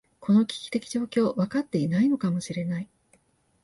この危機的状況、分かっていないのかもしれない。